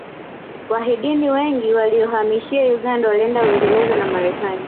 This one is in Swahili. wahidni nwengi waliyohamishwa uganda walienda uingerez na marekani